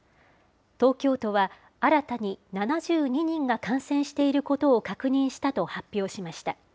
東京都は新たに７２人が感染していることを確認したと発表しました。